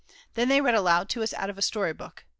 Then they read aloud to us out of a story book.